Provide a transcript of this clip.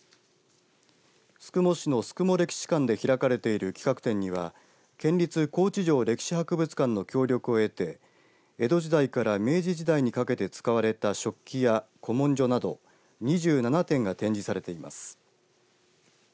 宿毛市の宿毛歴史館で開かれている企画展には県立高知城歴史博物館の協力を得て江戸時代から明治時代にかけて使われた食器や古文書など２７点が展示されています。